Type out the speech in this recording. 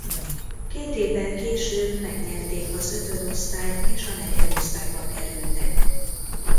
Két évvel később megnyerték az ötödosztályt és a negyedosztályba kerültek.